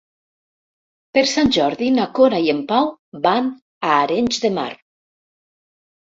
Per Sant Jordi na Cora i en Pau van a Arenys de Mar.